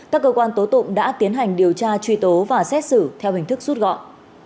các cơ quan tố tụng đã tiến hành điều tra truy tố và xét xử theo hình thức rút gọn